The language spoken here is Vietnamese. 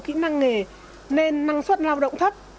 kỹ năng nghề nên năng suất lao động thấp